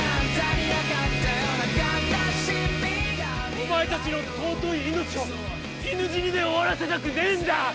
お前たちの尊い命を犬死にで終わらせたくねぇんだ！